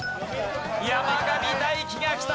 山上大喜がきた。